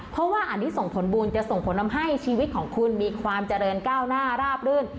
เพราะว่าอันนี้ส่งผลบุญจะส่งผลทำให้ชีวิตของคุณมีความเจริญก้าวหน้าราบรื่น